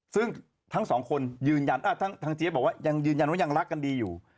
ซึ่งทั้งสองคนยืนยันทางเจี๊ยบบอกว่ายังยืนยันว่ายังรักกันดีอยู่